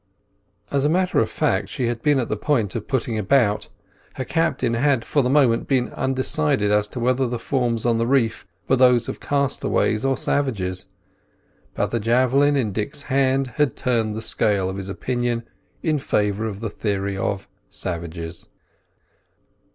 As a matter of fact, she had been on the point of putting about. Her captain had for a moment been undecided as to whether the forms on the reef were those of castaways or savages. But the javelin in Dick's hand had turned the scale of his opinion in favour of the theory of savages.